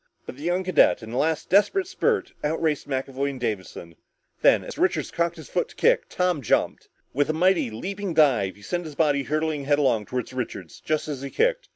But the young cadet, in a last desperate spurt, outraced both McAvoy and Davison. Then, as Richards cocked his foot to kick, Tom jumped. With a mighty leaping dive, he sent his body hurtling headlong toward Richards just as he kicked.